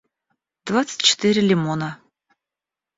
двадцать четыре лимона